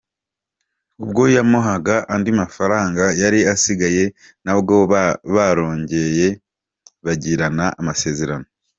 Ubwo yamuhaga andi mafaranga yari asigaye nabwo barongeye bagirana amasezerano.